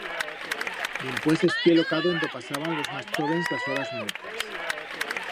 Dimpués estié lo cado en do pasaban los mas chóvens las horas muertas.